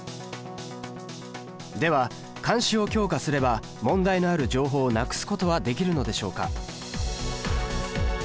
では監視を強化すれば問題のある情報をなくすことはできるのでしょうか？